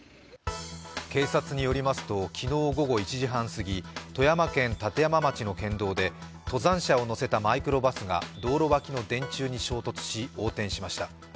警察によりますと、昨日午後１時半すぎ、富山県立山町の県道で登山者を乗せたマイクロバスが道路脇の電柱に衝突し横転しました。